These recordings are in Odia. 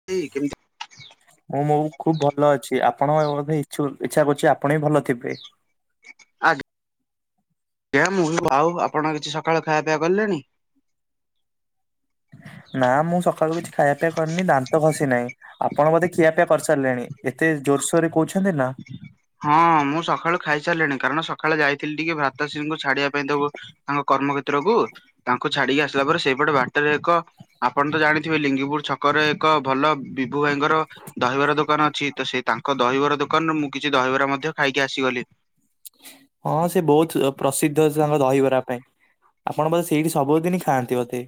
[unintelligible] ମୁଁ ମୋ ଖୁବ୍ ଭଲ ଅଛି। ଆପଣ-ଅ-ଅ ବୋଧେ ଇଛୁ ଇଛା କରୁଛି ଆପଣ ବି ଭଲ ଥିବେ। ଆଜ୍ଞା ମୁଁ ଆଉ ଆପଣ କିଛି ସକାଳୁ ଖାଇବାପିଇବା କଲେଣି? ନା ମୁଁ ସକାଳୁ କିଛି ଖାଇବା ପିଇବା କରିନି ଦାନ୍ତ ଘସି ନାହିଁ। ଆପଣ ବୋଧେ ଖିଆପିଆ କରିସାରିଲେଣି। ଏତେ ଜୋରସୋର ରେ କହୁଛନ୍ତି ନା। ହଁ ମୁଁ ସକାଳୁ ଖାଇସାରିଲିଣି। କାରଣ ସକାଳେ ଯାଇଥିଲି ଟିକେ ଭ୍ରାତାଶ୍ରୀଙ୍କୁ ଛାଡିବା ପାଇଁ ତ ବ ତାଙ୍କ କର୍ମକ୍ଷେତ୍ରକୁୁ ତାଙ୍କୁ ଛାଡିକି ଆସିଲା ପରେ ସେଇପଟେ ବାଟରେ ଏକ ଆପଣ ତ ଜାଣିଥିବେ ଲିଙ୍ଗିପୁର ଛକରେ ଏକ ଭଲ ବିଭୁ ଭାଇଙ୍କର ଦହିବରା ଦୋକାନ ଅଛି ତ ସେ ତାଙ୍କ ଦହିବରା ଦୋକାନରୁ ମୁଁ କିଛି ଦହିବରା ମଧ୍ୟ ଖାଇକି ଆସିଗଲି। ହଁ ସେ ବହୁତ ଅ ପ୍ରସିଦ୍ଧ ତାଙ୍କ ଦହିବରା ପାଇଁ। ଆପଣ ବୋଧେ ସେଇଠି ସବୁଦିନି ଖାଆନ୍ତି ବୋଧେ।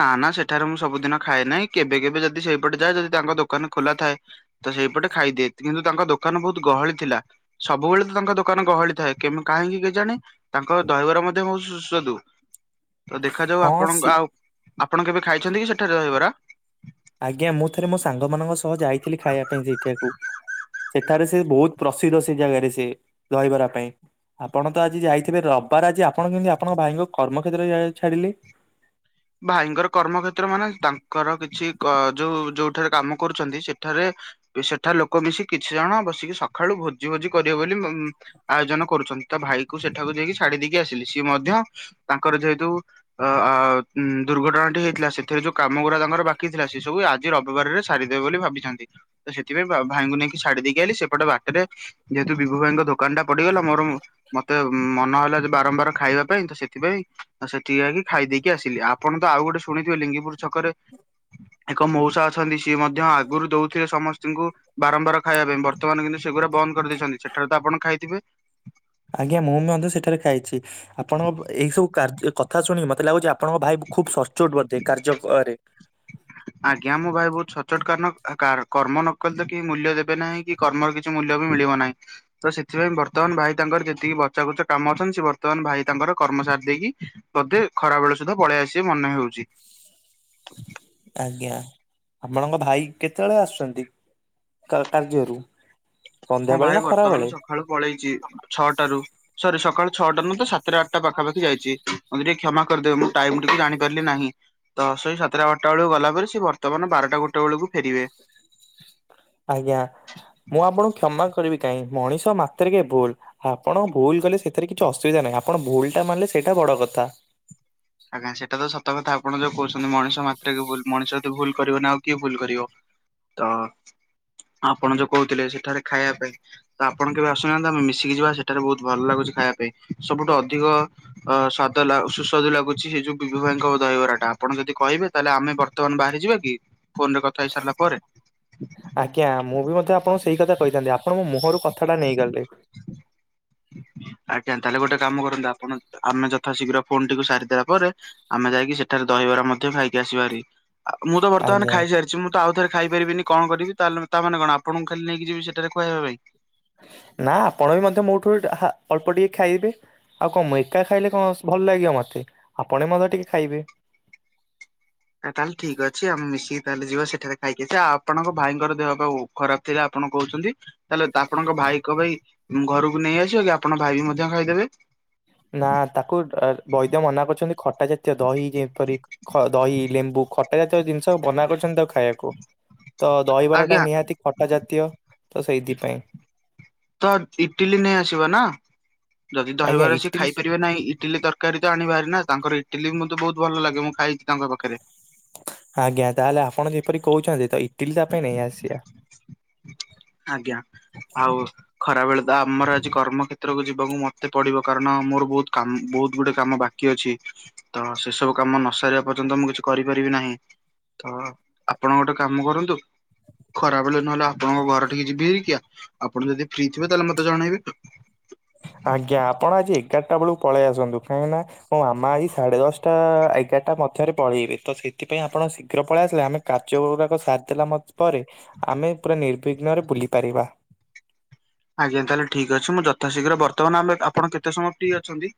ନା ନା ସେଠାରେ ମୁଁ ସବୁଦିନ ଖାଏ ନାହିଁ। କେବେ କେବେ ଯଦି ସେଇପଟେ ଯାଏ ଯଦି ତାଙ୍କ ଦୋକାନ ଖୋଲା ଥାଏ ତ ସେଇପଟେ ଖାଇଦିଏ କିନ୍ତୁ ତାଙ୍କ ଦୋକାନ ବହୁତ ଗହଳି ଥିଲା। ସବୁବେଳେ ତ ତାଙ୍କ ଦୋକାନ ଗହଳି ଥାଏ। କେମ କାହିଁକି କେଜାଣି ତାଙ୍କ ଦହିବରା ମତେ ବହୁ ସୁସ୍ୱାଦୁ। ତ ଦେଖାଯାଉ ହଁ ସି ଆପଣଙ୍କ ଆଉ ଆପଣ କେବେ ଖାଇଛନ୍ତି କି ସେଠାରେ ଦହିବରା? ଆଜ୍ଞା ମୁଁ ଥରେ ମୋ ସାଙ୍ଗମାନଙ୍କ ସହ ଯାଇଥିଲି ଖାଇବା ପାଇଁ ସେଇଠିଆକୁ। ଏଠାରେ ସେ ବହୁତ ପ୍ରସିଦ୍ଧ ସେ ଜାଗାରେ ସେ ଦହିବରା ପାଇଁ। ଆପଣ ତ ଆଜି ଯାଇଥିବେ ରବିବାର ଆଜି ଆପଣ କେମିତି ଆପଣଙ୍କ ଭାଇଙ୍କୁ କର୍ମକ୍ଷେତ୍ରରେ ଯାଇ ଛାଡିଲେ। ଭାଇଙ୍କର କର୍ମ କ୍ଷେତ୍ର ମାନେ ତାଙ୍କର କିଛି କ ଯୋଉ ଯୋଉଠାରେ କାମ କରୁଛନ୍ତି ସେଠାରେ ସେଠା ଲୋକ ମିଶିକି କିଛି ଜଣ ବସିକି ସକାଳୁ ଭୋଜି ଭୋଜି କରିବେ ବୋଲି ମ୍-ମ୍-ମ୍ ଆୟୋଜନ କରୁଛନ୍ତି ତା ଭାଇକୁ ସେଠାକୁ ଯାଇକି ଛାଡି ଦେଇକି ଆସିଲି। ସିଏ ମଧ୍ୟ ତାଙ୍କର ଯେହେତୁ ଅ-ଅ-ଅ ଉଁ ଦୁର୍ଘଟଣାଟି ହେଇଥିଲା ସେଥିରେ ଯୋଉ କାମଗୁଡା ତାଙ୍କର ବାକି ଥିଲା ସେ ସବୁ ଆଜି ରବିବାରରେ ସାରିଦେବେ ବୋଲି ଭାବିଛନ୍ତି। ତ ସେଥିପାଇଁ ବା ଭାଇଙ୍କୁ ନେଇକି ଛାଡି ଦେଇକି ଆଇଲି ସେପଟେ ବାଟରେ ଯେହେତୁ ବିଭୁ ଭାଇଙ୍କ ଦୋକାନ ଟା ପଡିଗଲା ମୋର ମୁଁ ମତେ ମନ ହେଲା ଯେ ବାରମ୍ବାର ଖାଇବା ପାଇଁ ତ ସେଥିପାଇଁ ସେଠିକି ଯାଇକି ଖାଇ ଦେଇକି ଆସ ଆପଣ ତ ଆଉ ଗୋଟେ ଶୁଣିଥିବେ ଲିଙ୍ଗିପୁର ଛକରେ ଏକ ମଉସା ଅଛନ୍ତି ସିଏ ମଧ୍ୟ ଆଗରୁ ଦଉଥିଲେ ସମସ୍ତଙ୍କୁ ବାରମ୍ବାର ଖାଇବା ପାଇଁ ବର୍ତ୍ତମାନ କିନ୍ତୁ ସେଗୁରା ବନ୍ଦ କରିଦେଇଛନ୍ତି ସେଠାରେ ତ ଆପଣ ଖାଇଥିବେ। ଆଜ୍ଞା ମୁଁ ବି ମଧ୍ୟ ସେଠାରେ ଖାଇଛି। ଆପଣଙ୍କ ଏଇ ସବୁ କାର୍ଯ୍ୟ କଥା ଶୁଣିକି ମତେ ଲାଗୁଛି ଆ ଆପଣଙ୍କ ଭାଇ ଖୁବ୍ ସଚୋଟ ବୋଧେ କାର୍ଯ୍ୟ ପରେ ଆଜ୍ଞା ମୁଁ ଭାଇ ବହୁତ ସଚୋଟ କାରଣ କ କାରଣ କର୍ମ ନକଲେ କେହି ମୂଲ୍ୟ ଦେବେ ନାହିଁ। କି କର୍ମର କିଛି ମୂଲ୍ୟ ବି ମିଳିବ ନାହିଁ। ତ ସେଥିପାଇଁ ବର୍ତ୍ତମାନ ଭାଇ ତାଙ୍କର ଯେତିକି ବଚାକୁଚା କାମ ଅଛନ୍ତି ସେ ବର୍ତ୍ତମାନ ଭାଇ ତାଙ୍କର କର୍ମ ସାରିଦେଇକି ବୋଧେ ଖରା ବେଳେ ସୁଦ୍ଧା ପଳେଇଆସିବେ ମନେ ହଉଛି। ଆଜ୍ଞା, ଆପଣଙ୍କ ଭାଇ କେତେବେଳେ ଆସୁଛନ୍ତି କ କାର୍ଯ୍ୟରୁ? ମୋ ସନ୍ଧ୍ୟାବେଳେ ଭାଇ ନା ବର୍ତ୍ତମାନ ଖରାବେଳେ? ସକାଳୁ ପଳେଇଛି ଛଅଟାରୁ ସରି ସକାଳ ଛଅଟା ନୁହଁ ତ ସାତଟା ଆଠଟା ପାଖାପାଖି ଯାଇଛି। ମତେ ଟିକେ କ୍ଷମା କରିଦେବେ ମୁଁ ଟାଇମ ଟିକେ ଜାଣିପାରିଲି ନାହିଁ। ତ ସେଇ ସାତଟା ଅଠଟା ବେଳକୁ ଗଲା ପରେ ସେ ବର୍ତ୍ତମାନ ବାରଟା ଗୋଟେ ବେଳକୁ ଫେରିବେ। ଆଜ୍ଞା ମୁଁ ଆପଣଙ୍କୁ କ୍ଷମା କରିବି କାହିଁ ମଣିଷ ମାତ୍ର କେ ଭୁଲ। ଆପଣ ଭୁଲ କଲେ ସେଥିରେ କିଛି ଅସୁବିଧା ନାହିଁ। ଆପଣ ଭୁଲ ଟା ମାନିଲେ ସେଇଟା ବଡ କଥା। ଆଜ୍ଞା ସେଇଟା ତ ସତ କଥା ଆପଣ ଯୋଉ କହୁଛନ୍ତି ମଣିଷ ମାତ୍ରକେ ଭୁଲ, ମଣିଷଯଦି ଭୁଲ କରିବନି ଆଉ କିଏ ଭୁଲ କରିବ। ତ ଆପଣ ଯୋଉ କହୁଥିଲେ ସେଠାରେ ଖାଇବା ପାଇଁ। ତ ଆପଣ କେବେ ଆସୁନାହାନ୍ତନ୍ତି ଆମେ ମିଶିକି ଯିବା ସେଠାରେ ବହୁତ ଭଲ ଲାଗୁଛି ଖାଇବା ପାଇଁ ସବୁଠୁ ଅଧିକ ଅ ସ୍ୱାଦ ଲାଗ ସୁସ୍ୱାଦୁ ଲାଗୁ ଛି ସେ ଯୁ ବିଭୁ ଭାଇଙ୍କ ଦହି ବରା ଟା ଆପଣ ଯଦି କହିବେ ତାହେଲେ ଆମେ ବର୍ତ୍ତମାନ ବାହାରିଯିବା କି? ଫୋନ ରେ କଥା ହେଇ ସାରିଲା ପରେ ଜ୍ଞା ମୁଁ ବି ମଧ୍ୟ ଆପଣଙ୍କୁ ସେଇ କଥା କହିଥାନ୍ତି ଆପଣ ମୋ ମୁହଁରୁ କଥାଟା ନେଇ ଗଲେ। ହ ଆଜ୍ଞା ତାହେଲେ ଗୋଟେ କାମ କରନ୍ତୁ ଆପଣ ଆମେ ଯଥା ଶୀଘ୍ର ଫୋନ ଟିକୁ ସାରିଦେଲା ପରେ ଆମେ ଯାଇକି ସେଠାରେ ଦହିବରା ମଧ୍ୟ ଖାଇକି ଆସିବାହେରି ମୁଁ ତ ବର୍ତ୍ତମାନ ଆଜ୍ଞା। ଖାଇସାରିଛି। ମୁଁ ତ ଆଉଥରେ ଖାଇ ପାରିବିନି କଣ କରିବି? ତାଲେ ତାମାନେ କଣ ଆପଣଙ୍କୁ ଖାଲି ନେଇିକି ଯିବି ସେଠାରେ ଖୁଆଇବା ପାଇଁ? ନା ଆପଣ ବି ମଧ୍ୟ ମୋଠୁ ହା ଅଳ୍ପ ଟିକେ ଖାଇବେ। ଆଉ କଣ ମୁଁ ଏକା ଖାଇଲେ କଣ ଭଲ ଲାଗିବ ମତେ ଆପଣ ମଧ୍ୟ ଟିକେ ଖାଇବେ। ଆ ତାହେଲେ ଠିକ ଅଛି ଆମେ ମିଶିକି ତାହେଲେ ଯିବା ସେଠାରେ ଖାଇକି ଆସିବା। ଆଉ ଆପଣଙ୍କ ଭାଇଙ୍କର ଦେହ ବେଉ ଖରାପ ଥିଲା ଆପଣ କହୁଛନ୍ତି। ତାହେଲେ ଆପଣଙ୍କ ଭାଇ କ ପାଇଁ ଘରକୁ ନେଇ ଆସିବ କି ଆପଣଙ୍କ ଭାଇ ବି ମଧ୍ୟ ଖାଇଦେବେ? ନା ତାକୁ ବୈଦ୍ୟ ମନା କରୁଛନ୍ତି ଖଟା ଜାତୀୟ ଦହି ଯେପରି ଖ ଦହି ଲେମ୍ବୁ ଖ ଖଟା ଜାତୀୟ ଜିନିଷ ମନା କରିଛନ୍ତି ତାକୁ ଖାଇବାକୁ ତ ଦହିବାର ଟା ଆଜ୍ଞା ନିହାତି ଖଟା ଜାତୀୟ। ତ ସେଇଥିପାଇଁ। ତ ଇଟିଲି ନେଇ ଆସିବ ନା ଯଦି ଆଜ୍ଞା ଦହିବାର ଆସି ଇଟିଲି ଖାଇପାରିବେ ନାହିଁ ଇଟିଲି ତର କାରୀ ତ ଆଣିବାରି ନା ତାଙ୍କର ଇଟିଲି ବି ମତେ ବହୁତ ଭଲ ଲାଗେ ମୁଁ ଖାଇଛି ତାଙ୍କ ପାଖରେ। ଆଜ୍ଞା ତାହେଲେ ଆପଣ ଯେପରି କହୁଛନ୍ତି ତ ଇଟିଲି ତା ପାଇଁ ନାଇଁ ଆସିବା। ଆଜ୍ଞା ଆଉ ଖରା ବେଳେ ତ ଆମର ଆଜି କର୍ମ କ୍ଷେତ୍ରକୁ ଯିବାକୁ ମତେ ପଡିବ କାରଣ ମୋର ବହୁତୁ କାମ ବହୁତ ଗୁଡେ କାମ ବା କି ଅଛି ତ ସେ ସବୁ କାମ ନ ସାରିବା ପର୍ଯ୍ୟନ୍ତ ମୁଁ କିଛି କରିପାରିବି ନାହିଁ। ତ ଆପଣ ଗୋଟେ କାମ କରନ୍ତୁ ଖରାବେଳେ ନହେଲେ ଆପଣଙ୍କ ଘର ଠିକ୍ ଯିବି ହେ କିଆ ଆପଣ ଯଦି ଫ୍ରି ଥିବେ ତାହେଲେ ମତେ ଜଣେଇବେ। ଆଜ୍ଞା ଆପଣ ଆଜି ଏଗାରଟ ବେଳକୁ ପଳେଇ ଆସନ୍ତୁ କାହିଁକିନା ହଁ ଆମ ଆଜି ସାଢେ ଦଶଟା ଏଗାରଟା ମଧ୍ୟରେ ପଳେଇବେ ତ ସେଥିପାଇଁ ଆପଣ ଶୀଘ୍ର ପଳେଇ ଆସିଲେ ଆମେ କାର୍ଯ୍ୟ ଗୁରାକ ସାର ଦେଲା ମ ପରେ ଆମେ ପୁରା ନିର୍ବିଘ୍ନରେ ବୁଲି ପାରିବା। ଆଜ୍ଞା ତାହେଲେ ଠିକ ଅଛି ମୁଁ ଯଥାଶୀଘ୍ର ବର୍ତ୍ତମାନ ଆମେ ଆପଣ କେତେ ସମୟ ଫ୍ରି ଅଛନ୍ତି?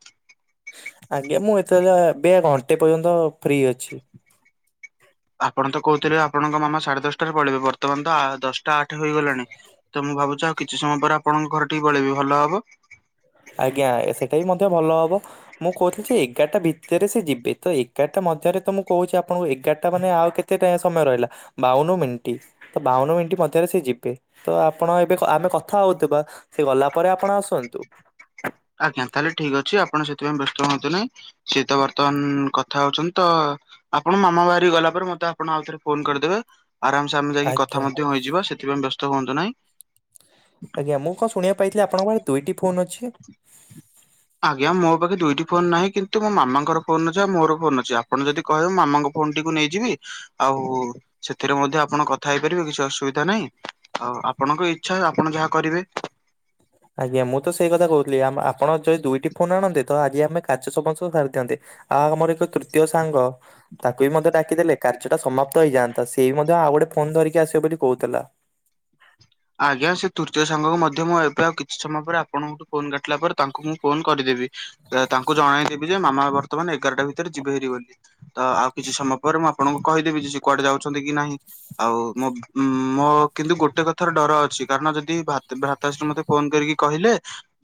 ଆଜ୍ଞା ମୁଁ ଏତେରେ ଏବେ ଘଣ୍ଟେ ପର୍ଯ୍ୟନ୍ତ ଫ୍ରି ଅଛି। ହ ଆପଣ ତ କହୁଥିଲେେ ଆପଣଙ୍କ ମାମା ସାଢେ ଦଶଟାରେ ପଳିବେ ବର୍ତ୍ତମାନ ତ ଦଶଟା ଆଠ ହେଇଗଲାଣି। ତ ମୁଁ ଭାବୁଛି ଆଉ କିଛି ସମୟ ପରେ ଆପଣଙ୍କ ଘରେ ପଳେଇ ବି ଭଲ ହବ। ଆଜ୍ଞା ସେଇଟା ବିି ମଧ୍ୟ ଭଲ ହେବ। ମୁଁ କହୁଥିଲି ଯେ ଏଗାରଟା ଭିତରେ ସେ ଯିବେ। ତ ଏଗାରଟା ମଧ୍ୟରେ ତ ମୁଁ କହୁଛି ଆପଣଙ୍କୁ ଏଗାରଟା ମାନେ ଆଉ କେତ କେତେ ଟା ସମୟ ରହିଲା ବାଉନ ମିଣ୍ଟି। ତ ବାଉନ ମିଣ୍ଟି ମଧ୍ୟରେ ସେ ଯିବେ ତ ଆପଣ ଏବେ ଆମେ କଥା ହଉଥିବା। ସେ ଗଲା ପରେ ଆପଣ ଆସନ୍ତୁ। ଆଜ୍ଞା ତାହେଲେ ଠିକ୍ ଅଛି ଆପଣ ସେଥିପାଇ ବ୍ୟସ୍ତ ହୁଅନ୍ତୁ ନାହିଁ। ସିଏ ତ ବର୍ତ୍ତମାନ କଥା ହଉଛନ୍ତି ତ ଆପଣ ମାମା ବାହାରି ଗଲା ପରେରେ ମତେ ଆପଣ ଆଉ ଥରେ ଫୋନ କରିଦେବେ ଆରାମସେ ଆମେ ଯାଇକି ଆଜ୍ଞା କଥା ମଧ୍ୟ ହୋଇଯିବା ସେଥିପାଇଁ ବ୍ୟସ୍ତ ହୁଅନ୍ତୁ ନାହିଁ। ଆଜ୍ଞା ମୁ କଣ ଶୁଣିବା ପାଇ ଆପଣଙ୍କ ପାରେ ଦୁଇଟି ଫୋନ୍ ଅଛି? ହୁଁ ଆଜ୍ଞା ମୋ ପାଖରେ ଦୁଇଟି ଫୋନ ନାହିଁ କିନ୍ତୁ ମୋ ମାମାଙ୍କର ଫୋନ ଅଛି ଆଉ ମୋର ଫୋନ୍ ଅଛି ଆପଣ ଯଦି କହିବେ ମାମା ଫୋନଟିକୁ ନେଇଯିବି ଆଉ ସେଥିରେ ମଧ୍ୟ ଆପଣ କଥା ହେଇପାରିବେ କିଛି ଅସୁବିଧା ନାହିଁ। ଆଉ ଆପଣଙ୍କ ଇଚ୍ଛା ଆପଣ ଯାହା କରିବେ। ଆଜ୍ଞା ମୁଁ ତ ସେଇ କଥା କହୁଥିଲି ଆ ଆପଣ ଯଦି ଦୁଇଟି ଫୋନ୍ ଆଣନ୍ତେ ତ ଆଜି ଆମେ କାଚ ସବୁସ ସାରିଥାନ୍ତେ। ଆଉ ଆମର ଏକ ତୃତୀୟ ସାଙ୍ଗ ତାକୁ ବି ମଧ୍ୟ ଡାକିଦେଲେ କାର୍ଯ୍ୟଟା ସମାପ୍ତ ହେଇଯାନ୍ତା ସେ ବି ମଧ୍ୟ ଆଉ ଗୋଟେ ଫୋନ ଧରିକି ଆସିବେ ବୋଲି କହୁଥିଲା। ଆଜ୍ଞା ସେ ତୃତୀୟ ସାଙ୍ଗକୁ ମଧ୍ୟ ମୁଁ ଏବେ ଆଉ କିଛି ସମୟ ପରେ ଆପଣଙ୍କଠୁ ଫୋନ କାଟିଲା ପରେ ତାଙ୍କୁ ମୁଁ ଫୋନ କରିଦେବି। ତାଙ୍କୁ ଜଣେଇଦେବି ଯେ ମାମା ବର୍ତମାନ ଏଗାରଟା ଭିତରେ ଯିବେ ହେରି ବୋଲି। ତ ଆଉ କିଛି ସମୟ ପରେ ମୁଁ ଆପଣଙ୍କୁ କହିଦେବି ଯେ କୁଆଡେ ଯାଉଛନ୍ତି କି ନାହିଁ। ଆଉ ମୋ ଉ ମୋ କିନ୍ତୁ ଗୋଟେ କଥା ଥର ଡର ଅଛି କାରଣ ଯଦି ଭ୍ରାତାଶ୍ରୀ ମତେ ଫୋନ କରିକି କହିଲେ।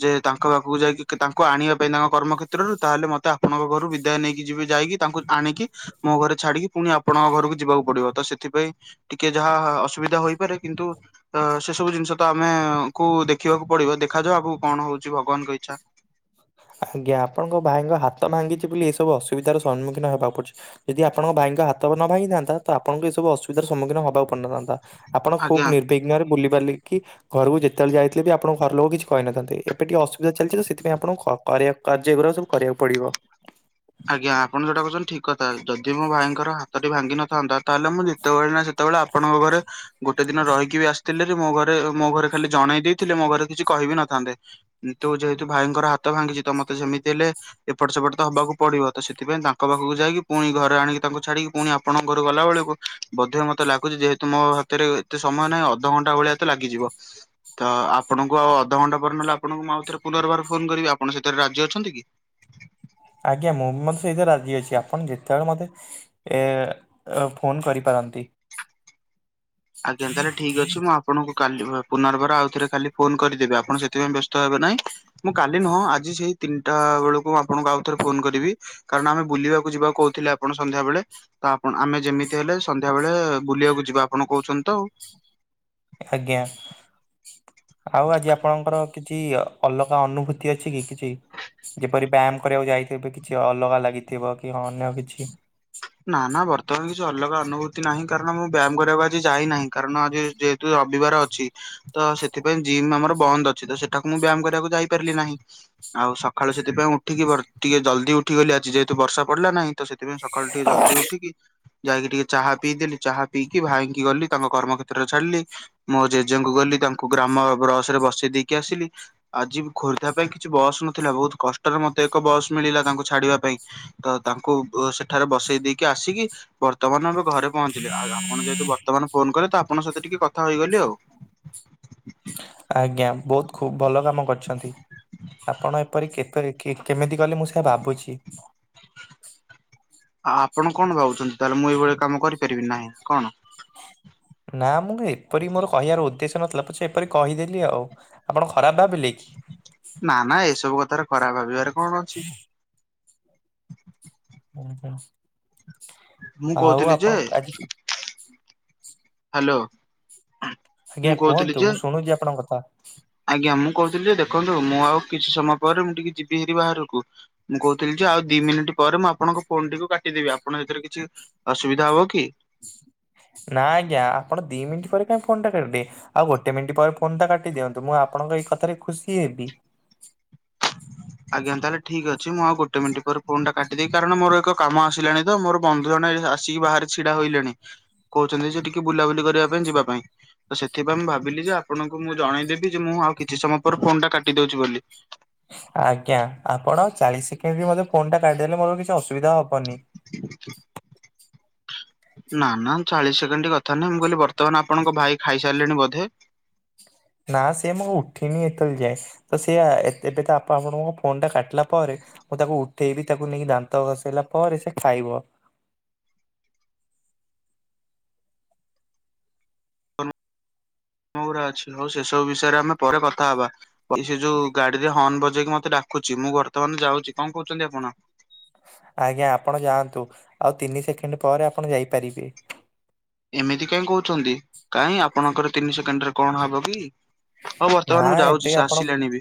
ଯେ ତାଙ୍କ ପାଖକୁ ଯାଇକି ତାଙ୍କୁ ଆଣିବା ପାଇଁ ତାଙ୍କ କର୍ମକ୍ଷେତ୍ରରୁ ତାହେଲେ ମତେ ଆପଣଙ୍କ ଘରୁ ବିଦାୟ ନେଇକି ଯିବେ ଯାଇକି ତାଙ୍କୁ ଆଣିକି ମୋ ଘରେ ଛାଡିକି ପୁଣି ଆପଣଙ୍କ ଘରକୁ ଯିବାକୁ ପଡିବ ତ ସେଥିପାଇଁ ଟିକେ ଯାହା ଅସୁବିଧା ହୋଇପାରେ କିନ୍ତୁ ତ ସେ ସବୁ ଜିନିଷ ତ ଆମେ କୁ ଦେଖିବାକୁ ପଡିବ ଦେଖାଯାଉ ଆଗକୁ କଣ ହଉଛି ଭଗବାନଙ୍କ ଇଚ୍ଛା? ଆଜ୍ଞା ଆପଣଙ୍କ ଭାଇଙ୍କ ହାତ ଭାଙ୍ଗିଛି ବୋଲି ଏସବୁ ଅସୁବିଧାର ସମ୍ମୁଖୀନ ହେବାକୁ ପଡୁଛି। ଯଦି ଆପଣଙ୍କ ଭାଇଙ୍କ ହାତ ନ ଭାଙ୍ଗିଥାନ୍ତା ତ ଆପଣଙ୍କୁ ଏସବୁ ଅସୁବିଧାର ସମ୍ମୁଖୀନ ହବାକୁ ପଡିନଥାନ୍ତା। ଆପଣ ଆଜ୍ଞା ଖୁବ ନିର୍ବିଘ୍ନ ରେ ବୁଲି ପାରିଲେ କି? ଘରକୁ ଯେତେବେଳେ ଯାଇଥିଲେ ବି ଆପଣଙ୍କ ଘର ଲୋକ କିଛି କହିଥାନ୍ତ ଏବେ ଟିକେ ଅସୁବିଧା ଚାଲିଛି ତ ସେଥିପାଇଁ ଆପଣଙ୍କୁ କରିବା କାର୍ଯ୍ୟଗୁଡା ସବୁ କରିବାକୁ ପଡିବ। ଆଜ୍ଞା ଆପଣ ଯୋଉଟା କହୁଛନ୍ତି ଠିକ କଥା ଯଦି ମୋ ଭାଇଙ୍କର ହାତ ଟି ଭାଙ୍ଗିନଥାନ୍ତା ତାହେଲେ ମୁଁ ସେତେବେଳେ ନା ସେତେବେଳେ ଆପଣଙ୍କ ଘରେ ଗୋଟେ ଦିନ ରହିକି ବି ଆସିଥିଲେ ମୋ ଘରେ ମୋ ଘରେ ଖାଲି ଜଣେଇ ଦେଇଥିଲେ ମୋ ଘରେ କିଛି କହିବି ନଥାନ୍ତେ। ତୁ ଯେହେତୁ ଭାଇଙ୍କର ହାତ ଭାଙ୍ଗିଛି ତ ମତେ ସେମିତି ହେଲେ ଏପଟ ସେପଟ ତ ହବାକୁ ପଡିବ ତ ସେଥିପାଇଁ ତାଙ୍କ ପାଖକୁ ଯାଇକି ପୁଣି ଘରେ ଆଣିକି ତାଙ୍କୁ ଛାଡ଼ିକି ପୁଣି ଆପଣଙ୍କ ଘରୁ ଗଲା ବେଳକୁ ବୋଧେ ମତେ ଲାଗୁଛି ଯେହେତୁ ମୋ ହାତରେ ଏତେ ସମୟ ନାହିଁ ଅଧଘଣ୍ଟା ଭଳିଆ ତ ଲାଗିଯିବ। ତ ଆପଣଙ୍କୁ ଆଉ ଅଧଘଣ୍ଟା ପରେ ନହେଲେ ଆପଣଙ୍କୁ ମୁଁ ଆଉଥରେ ପୁନର୍ବାର ଫୋନ କରିବି ଆପଣ ସେଥିରେ ରାଜ୍ୟ ଅଛନ୍ତି କି? ଆଜ୍ଞା ମୁଁ ବି ମତେ ସେଇଥିରେ ରାଜି ଅଛି ଆପଣ ଯେତେବେଳେ ମତେ ଏ ଫୋନ କରିପାରନ୍ତି। ଆଜ୍ଞା ତାହେଲେ ଠିକ ଅଛି। ଆପଣଙ୍କୁ କାଲି ପୁନର୍ବାର ଆଉ ଥରେ କାଲି ଫୋନ କରିଦେବି ଆପଣ ସେଥିପାଇଁ ବ୍ୟସ୍ତ ହେବେ ନାହିଁ। ମୁଁ କାଲି ନୁହଁ ଆଜି ସେଇ ତିନିଟା ବେଳକୁ ଆପଣଙ୍କୁ ଆଉ ଥରେ ଫୋନ କରିବି। କାରଣ ଆମେ ବୁଲିବାକୁ ଯିବାକୁ କହୁଥିଲେ ଆପଣ ସନ୍ଧ୍ୟାବେଳେ। ତ ଆପଣ ଆମେ ଯେମିତି ହେଲେ ସନ୍ଧ୍ୟା ବେଳେ ବୁଲିବାକୁ ଯିବା ଆପଣ କହୁଛନ୍ତି ତ ଆଉ। ଆଜ୍ଞା। ଆଉ ଆଜି ଆପଣଙ୍କର କିଛି ଅଲଗା ଅନୁଭୂତି ଅଛି କି କିଛି? ଯେପରି ବ୍ୟାୟାମ କରିବାକୁ ଯାଇଥିବେ କିଛି ଅଲଗା ଲାଗିଥିବ କି ଅନ୍ୟ କିଛି ନା ନା ବର୍ତ୍ତମାନ କିଛି ଅଲଗା ଅନୁଭୂତି ନାହିଁ କାରଣ ମୁଁ ବ୍ୟାୟାମ କରିବାକୁ ଆଜି ଯାଇନାହିଁ କାରଣ ଆଜି ରବିବାର ଅଛି ତ ସେଥିପାଇଁ ଜିମ୍ ଆମର ବନ୍ଦ ଅଛି ତ ସେଠାକୁ ମୁଁ ବ୍ୟାୟାମ କରିବାକୁ ଯାଇ ପାରିଲି ନାହିଁ। ଆଉ ସକାଳୁ ସେଥିପାଇଁ ଉଠିକି ଟିକେ ଜଲ୍ଦି ଉଠିଗଲି ଆଜି ଯେହେତୁ ବର୍ଷା ପଡିଲା ନାହିଁ ତ ସେଥିପାଇଁ ଜଲଦି ଉଠିିକି ଯାଇକି ଟିକେ ଚାହା ପିଇଦେଲି ଚାହା ପିଇକି ଭାଇଙ୍କି ଗଲି ତାଙ୍କ କର୍ମକ୍ଷେତ୍ରରେ ଛାଡିଲି। ମୋ ଜେଜେଙ୍କୁ ଗଲି ତାଙ୍କୁ ଗ୍ରାମ ବସ ରେ ବସେଇ ଦେଇକି ଆସିଲି। ଆଜି ଖୋର୍ଦ୍ଧା ପାଇଁ କିଛି ବସ୍ ନଥିଲା ବହୁତ କଷ୍ଟରେ ମତେ ଏକ ବସ୍ ମିଳିଲା ତାଙ୍କୁ ଛାଡିବା ପାଇଁ। ତ ତାଙ୍କୁ ସେଠାରେ ବସେଇ ଦେଇକି ଆସିକି ବର୍ତ୍ତମାନ ଏବେ ଘରେ ପହଞ୍ଚିଲେ ଆଉ ଆପଣ ଯେହେତୁ ବର୍ତ୍ତମାନ ଫୋନ କଲେ ତ ଆପଣଙ୍କ ସହିତ ଟିକେ କଥା ହେଇଗଲି ଆଉ। ଆଜ୍ଞା ବହୁତ ଖୁବ ଭଲ କାମ କରିଛନ୍ତି ଆପଣ ଏପରି କେ କେମିତି ଗଲେ ମୁଁ ସେଇଆ ଭାବୁଛି। ଆଉ ଆପଣ କଣ ଭାବୁଛନ୍ତି ତାହେଲେ ମୁଁ ଏଇଭଳିଆ କାମ କରିପାରିବି ନାହିଁ କଣ? ନା ମୁଁ ଏପରି ମୋର କହିବାର ଉଦ୍ଦେଶ୍ୟ ନଥିଲା ପଛେ ଏପରି କହିଦେଲି ଆଉ ଆପଣ ଖରାପ ଭାବିଲେ କି? ନା ନା ଏସବୁ କଥାର ଖରାପ ଭାବିବାର [inaudible] ଓହୋ ମୁଁ ଆଉ କହୁଥିଲି ଯେ ଆପଣ ଆଜି ହାଲୋ ଆଜ୍ଞା ମୁଁ କହୁଥିଲି କୁହନ୍ତୁ ଯେ ମୁଁ ଶୁଣୁଛି ଆପଣଙ୍କ କଥା। ଆଜ୍ଞା ମୁଁ କହୁଥିଲି ଯେ ଦେଖନ୍ତୁ ମୁଁ ଆଉ କିଛି ସମୟ ପରେ ମୁଁ ଟିକେ ଯିବି ହେରି ବାହାରକୁ। ମୁଁ କହୁଥିଲି ଯେ ଆଉ ଦି ମିନିଟ୍ ପରେ ମୁଁ ଆପଣଙ୍କ ଫୋନ୍ ଟିକୁ କାଟିଦେବି। ଆପଣ ହେଇଥିରେ କିଛି ଅସୁବିଧା ହବ କି? ନା ଆଜ୍ଞା ଆପଣ ଦି ମିନିଟ୍ ପରେ କାଇଁ ଫୋନ୍ ଟା କରଦେ ଆଉ ଗୋଟେ ମିନିଟ୍ ପରେ ଫୋନ୍ ଟା କାଟି ଦିଅନ୍ତୁ। ମୁଁ ଆପଣଙ୍କ ଏଇ କଥାରେ ଖୁସି ହେବି। ଆଜ୍ଞା ତାହେଲେ ଠିକ୍ ଅଛି, ମୁଁ ଆଉ ଗୋଟେ ମିନିଟ୍ ପରେ ଫୋନ୍ ଟା କାଟି ଦେଇ କାରଣ ମୋର ଏକ କାମ ଆସିଲାଣି। ତ ମୋର ବନ୍ଧୁ ଜଣେ ଏଇ ଆସିକି ବାହାରେ ଛିଡା ହୋଇଲେଣି। କହୁଚନ୍ତି ଯେ ଟିକେ ବୁଲାବୁଲି କରିବା ପାଇଁ ଯିବା ପାଇଁ। ତ ସେଥିପାଇଁ ମୁଁ ଭାବିଲି ଯେ ଆପଣଙ୍କୁ ମୁଁ ଜଣେଇଦେବି ଯେ ମୁଁ ଆଉ କିଛି ସମୟ ପରେ ଫୋନ୍ ଟା କାଟି ଦଉଛି ବୋଲି। ଆଜ୍ଞା ଆପଣ ଚାଳିଶ ସେକେଣ୍ଡ ବି ମୋର ଫୋନ୍ ଟା କାଢଦେଲେ ମୋର କିଛି ଅସୁବିଧା ହବନି। ଆ ନା ନା ଚାଳିଶ ସେକେଣ୍ଡ କଥା ନାହିଁ ମୁଁ କହିଲି ବର୍ତ୍ତମାନ ଆପଣଙ୍କ ଭାଇ ଖାଇସାରିଲେଣି ବୋଧେ? ନା ସିଏ ମୋ ଉଠିନି ଏତଳ ଯାଏ ତ ସିଏ ଏ ଏବେ ତ ଆପଣଙ୍କର ଫୋନ୍ ଟା କାଟିଲା ପରେ ମୁଁ ତାକୁ ଉଠେଇବି ତାକୁ ନେଇକି ଦାନ୍ତ ଘଷେଇଲା ପରେ ସେ ଖାଇବ। ମୋର ଆଛିଲ ହଉ ସେସବୁ ବିଷୟରେ ଆମେ ପରେ କଥା ହବା। ଇ ସେ ଯୋଉ ଗାଡିରେ ହର୍ଣ ବଜେଇକି ମୋତେ ଡାକୁଚି। ମୁଁ ବର୍ତ୍ତମାନ ଯାଉଚି। କଣ କହୁଚନ୍ତି ଆପଣ? ଆଜ୍ଞା ଆପଣ ଯାଆନ୍ତୁ ଆଉ ତିନି ସେକେଣ୍ଡ ପରେ ଆପଣ ଯାଇପାରିବେ। ଏମିତି କାଇଁ କହୁଛନ୍ତି କାଇଁ ଆପଣଙ୍କର ତିନି ସେକେଣ୍ଡ ରେ କଣ ହବ କି? ହଉ ନା ବର୍ତ୍ତମାନ ମୁଁ ଯାଉଚି ଏବେ ସେ ଆପଣ ଆସିଲାଣି ବି।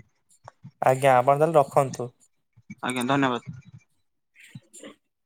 ଆପଣ ତାହେଲେ ରଖନ୍ତୁ। ଆଜ୍ଞା ଧନ୍ୟବାଦ।